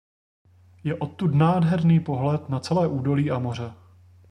Je odtud nádherný pohled na celé údolí a moře.